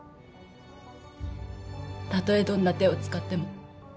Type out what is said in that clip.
たとえどんな手を使っても。